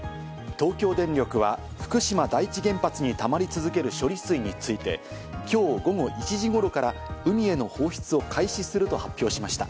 東京電力は福島第一原発にたまり続ける処理水について、きょう午後１時ごろから海への放出を開始すると発表しました。